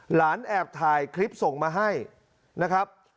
แอบถ่ายคลิปส่งมาให้นะครับ